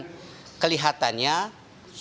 dan kelihatannya sangat